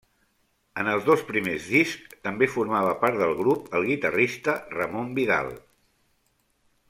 En els dos primers discs també formava part del grup el guitarrista Ramon Vidal.